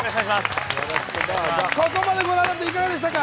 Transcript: ここまでご覧になっていかがでしたか？